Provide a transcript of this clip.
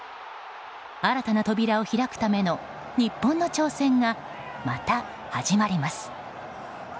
新たな扉を開くための日本の挑戦がまた始まります。